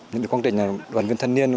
những công trình này đoàn viên thanh niên